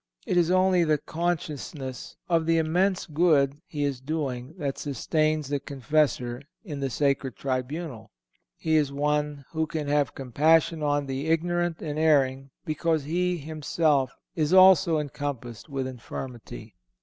It is only the consciousness of the immense good he is doing that sustains the confessor in the sacred tribunal. He is one "who can have compassion on the ignorant and erring, because he himself is also encompassed with infirmity."